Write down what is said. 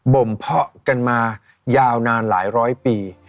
มเพาะกันมายาวนานหลายร้อยปี